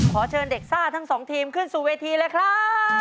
ขอเชิญเด็กซ่าทั้งสองทีมขึ้นสู่เวทีเลยครับ